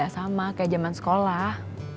gak sama kayak jaman sekolah